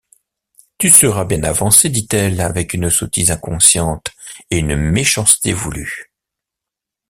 Tu seras bien avancé, dit-elle, avec une sottise inconsciente et une méchanceté voulue.